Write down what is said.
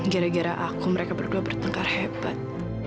gara gara aku mereka berdua bertengkar hebat